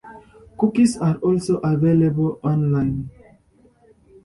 Cookies are also available online.